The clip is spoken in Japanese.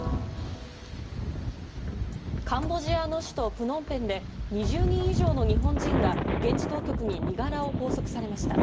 プノンペンで２０人以上の日本人が現地当局に身柄を拘束されました。